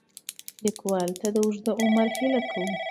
لیکوال ته د اوږد عمر هیله کوو.